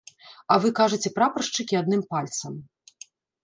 А вы кажаце прапаршчыкі адным пальцам!